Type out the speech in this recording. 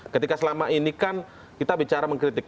ketika selama ini kan kita bicara mengkritik